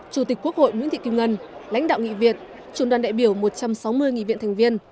chủ tịch quốc hội nguyễn thị kim ngân lãnh đạo nghị viện trưởng đoàn đại biểu một trăm sáu mươi nghị viện thành viên